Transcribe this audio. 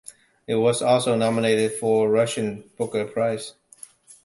It was also nominated for the Russian "Booker" prize.